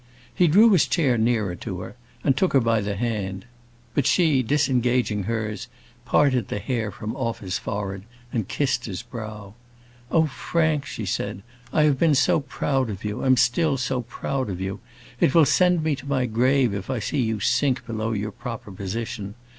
He drew his chair nearer to her, and took her by the hand. But she, disengaging hers, parted the hair from off his forehead, and kissed his brow. "Oh, Frank," she said, "I have been so proud of you, am still so proud of you. It will send me to my grave if I see you sink below your proper position.